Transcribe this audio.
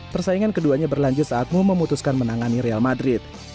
persaingan keduanya berlanjut saat mu memutuskan menangani real madrid